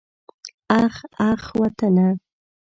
اخ اخ وطنه.